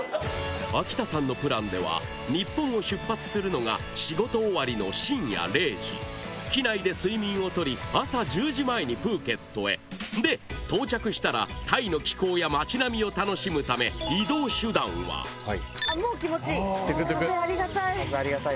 秋田さんのプランでは日本を出発するのが仕事終わりの深夜０時機内で睡眠を取り朝１０時前にプーケットへで到着したらタイの気候や街並みを楽しむためもう気持ちいい！